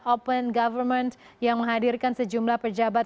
open government yang menghadirkan sejumlah pejabat